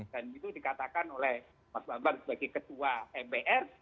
dan itu dikatakan oleh mas bambang sebagai ketua mpr